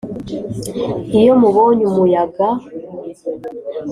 Iyo mubonye umuyaga